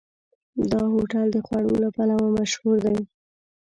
دا هوټل د خوړو له پلوه مشهور دی.